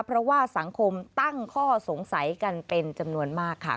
เพราะว่าสังคมตั้งข้อสงสัยกันเป็นจำนวนมากค่ะ